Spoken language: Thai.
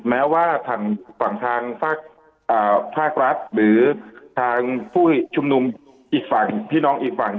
แม้ว่าทางฝั่งทางภาครัฐหรือทางผู้ชุมนุมอีกฝั่งพี่น้องอีกฝั่ง